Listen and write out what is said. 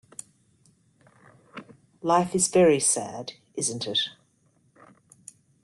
Life is very sad, isn't it?